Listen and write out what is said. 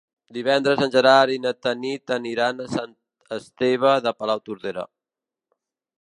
Divendres en Gerard i na Tanit aniran a Sant Esteve de Palautordera.